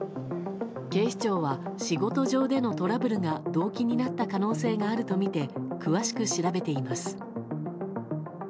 警視庁は、仕事上でのトラブルが動機になった可能性があるとみて詳しく調べています。